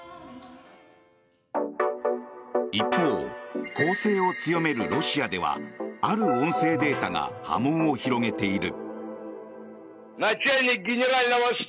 一方、攻勢を強めるロシアではある音声データが波紋を広げている。